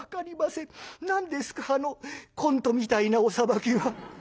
何ですかあのコントみたいなお裁きは。